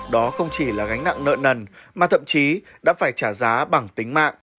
đó không chỉ là gánh nặng nợ nần mà thậm chí đã phải trả giá bằng tính mạng